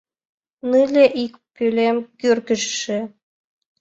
Нылле ик пӧлем кӧргешыже